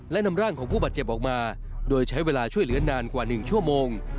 และนำร่างของผู้บาดเจ็บออกมาโดยใช้เวลาช่วยเหลือนานกว่า๑ชั่วโมง